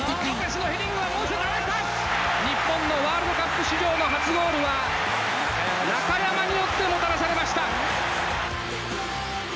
日本のワールドカップ史上の初ゴールは中山によってもたらされました！